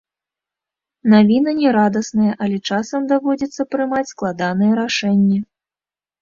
Навіна не радасная, але часам даводзіцца прымаць складаныя рашэнні.